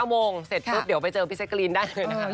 โมงเสร็จปุ๊บเดี๋ยวไปเจอพี่แจ๊กกะรีนได้เลยนะคะ